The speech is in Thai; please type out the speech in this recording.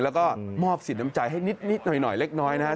แล้วก็มอบสินน้ำใจให้นิดหน่อยเล็กน้อยนะครับ